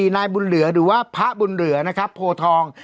นายบุญเหลือหรือว่าพระบุญเหลือนะครับโพทอง